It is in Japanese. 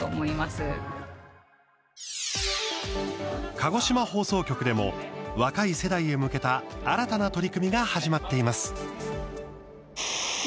鹿児島放送局でも若い世代へ向けた新たな取り組みが始まっています。